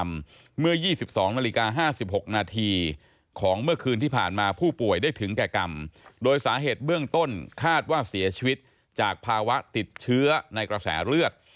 เมื่อ๒๒นาฬิกา๕๖นาทีของเมื่อคืนที่ผ่านมาผู้ป่วยได้ถึงแก่กรรมโดยสาเหตุเบื้องต้นคาดว่าเสียชีวิตจากภาวะติดเชื้อในกระแสเลือด